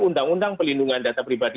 undang undang pelindungan data pribadi